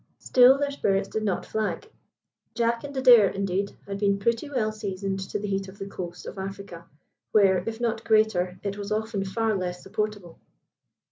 Still their spirits did not flag. Jack and Adair, indeed, had been pretty well seasoned to the heat of the coast of Africa, where, if not greater, it was often far less supportable.